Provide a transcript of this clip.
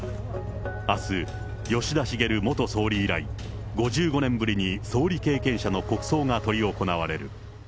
あす、吉田茂元総理以来、５５年ぶりに総理経験者の国葬が執り行われる。